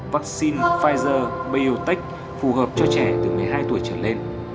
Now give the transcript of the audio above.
vắc xin pfizer biontech phù hợp cho trẻ từ một mươi hai tuổi trở lên